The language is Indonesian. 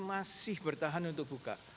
masih bertahan untuk buka